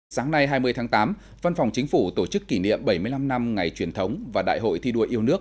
sáng nay hai mươi tháng tám văn phòng chính phủ tổ chức kỷ niệm bảy mươi năm năm ngày truyền thống và đại hội thi đua yêu nước